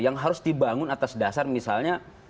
yang harus dibangun atas dasar misalnya